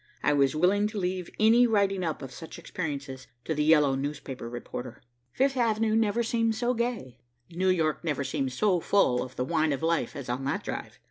I was willing to leave any writing up of such experiences to the yellow newspaper reporter. Fifth Avenue never seemed so gay. New York never seemed so full of the wine of life as on that drive.